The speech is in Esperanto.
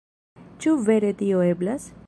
Ĉu vere tio eblas?